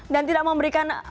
dan tidak memberikan